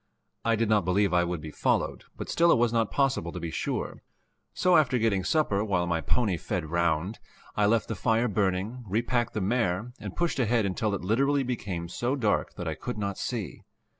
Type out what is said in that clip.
I did not believe I would be followed, but still it was not possible to be sure, so, after getting supper, while my pony fed round, I left the fire burning, repacked the mare and pushed ahead until it literally became so dark that I could not see.